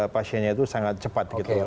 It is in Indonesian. pasiennya itu sangat cepat